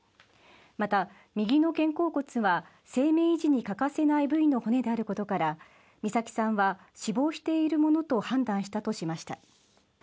また右の肩甲骨は生命維持に欠かせない部位の骨であることから美咲さんは死亡しているものと判断したとしました。